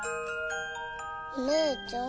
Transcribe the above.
おねーちゃん？